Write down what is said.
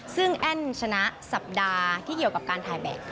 ซึ่งแอ้นชนะสัปดาห์ที่เกี่ยวกับการถ่ายแบบ